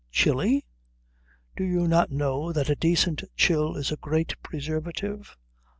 "Chilly? Do you not know that a decent chill is a great preservative?